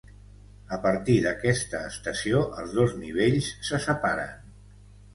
A partir d'aquesta estació els dos nivells se separen.